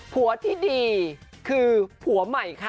ผัวที่ดีคือผัวใหม่ค่ะ